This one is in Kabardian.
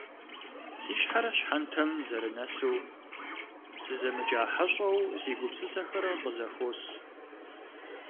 Си щхьэр щхьэнтэм зэрынэсу, сызэмыджа хьэщӏэу си гупсысэхэр къызэхуос.